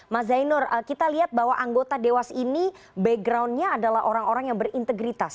mas zainur kita lihat bahwa anggota dewas ini backgroundnya adalah orang orang yang berintegritas